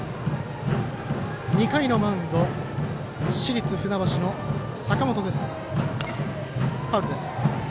２回のマウンド市立船橋、坂本です。